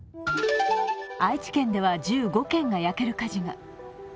愛知県では１５軒が焼ける火事が。